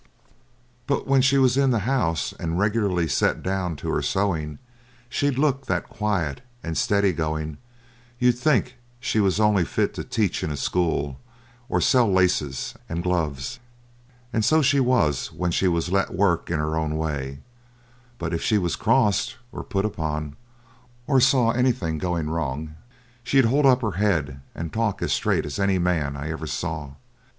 But when she was in the house and regularly set down to her sewing she'd look that quiet and steady going you'd think she was only fit to teach in a school or sell laces and gloves. And so she was when she was let work in her own way, but if she was crossed or put upon, or saw anything going wrong, she'd hold up her head and talk as straight as any man I ever saw.